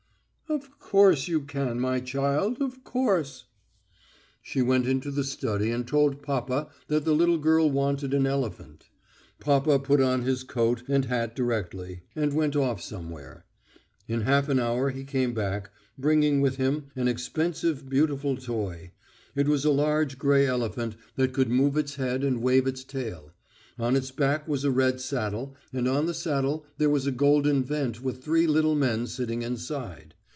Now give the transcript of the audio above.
"Of course you can, my child, of course." She went into the study and told papa that the little girl wanted an elephant. Papa put on his coat and hat directly, and went off somewhere. In half an hour he came back, bringing with him an expensive beautiful toy. It was a large grey elephant that could move its head and wave its tail; on its back was a red saddle, and on the saddle there was a golden vent with three little men sitting inside.